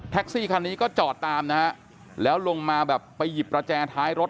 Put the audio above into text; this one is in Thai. ซี่คันนี้ก็จอดตามนะฮะแล้วลงมาแบบไปหยิบประแจท้ายรถ